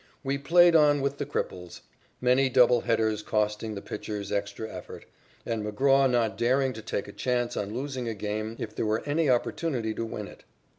We played on with the cripples, many double headers costing the pitchers extra effort, and McGraw not daring to take a chance on losing a game if there were any opportunity to win it.